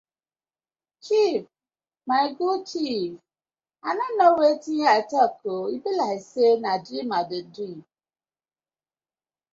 Chiefs my good chiefs I no kno wetin tok e bi like say na dream I dey dream.